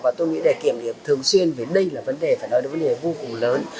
và tôi nghĩ để kiểm nghiệm thường xuyên vì đây là vấn đề vô cùng lớn